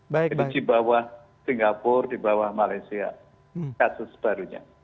jadi di bawah singapura di bawah malaysia kasus barunya